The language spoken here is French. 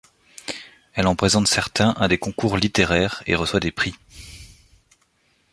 Elle en présente certains à des concours littéraires et reçoit des prix.